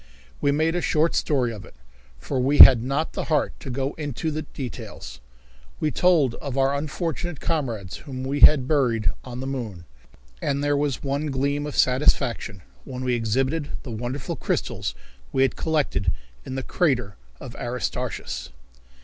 We made a short story of it, for we had not the heart to go into details. We told of our unfortunate comrades whom we had buried on the moon, and there was one gleam of satisfaction when we exhibited the wonderful crystals we had collected in the crater of Aristarchus.